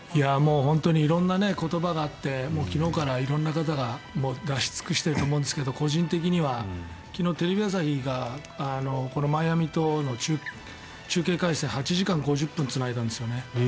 色んな言葉があって昨日から色んな方が出し尽くしていると思うんですが個人的には昨日、テレビ朝日がこのマイアミとの中継回線８時間５０分つないだんですよね